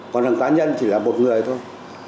còn hầm cá nhân thì là một người thôi